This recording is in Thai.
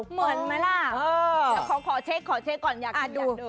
เหมือนไหมล่ะขอเช็คก่อนอยากดู